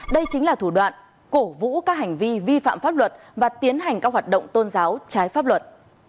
đây chính là thủ đoạn cổ vũ các hành vi vi phạm pháp luật và tiến hành các hoạt động tôn giáo trái pháp luật